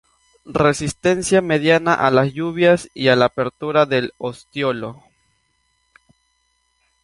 Resistencia mediana a las lluvias y a la apertura del ostiolo.